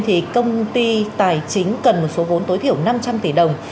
thì công ty tài chính cần một số vốn tối thiểu năm trăm linh tỷ đồng